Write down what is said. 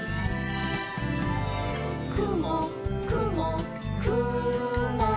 「くもくもくも」